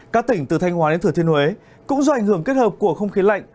các tỉnh từ thanh hóa đến thừa thiên huế cũng do ảnh hưởng kết hợp của không khí lạnh